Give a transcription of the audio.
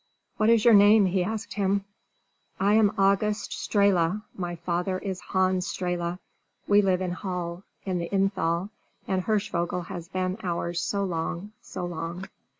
"What is your name?" he asked him. "I am August Strehla. My father is Hans Strehla. We live in Hall, in the Innthal; and Hirschvogel has been ours so long so long!"